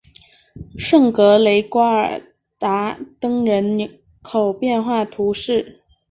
圣格雷瓜尔达登人口变化图示